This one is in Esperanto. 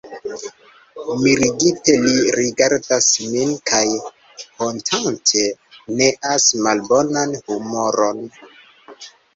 Mirigite li rigardas min kaj hontante neas malbonan humoron.